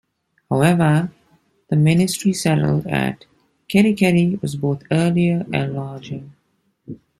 However, the missionary settlement at Kerikeri was both earlier and larger.